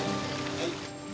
はい。